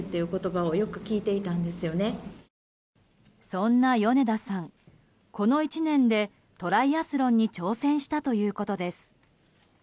そんな米田さん、この１年でトライアスロンに挑戦したということです。